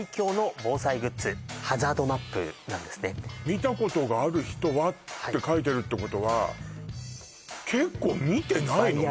「見たことがある人は」って書いてるってことは結構見てないの？